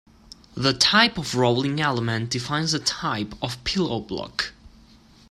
The type of rolling element defines the type of pillow block.